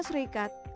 amerika dan indonesia